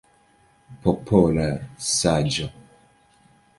Popola saĝo!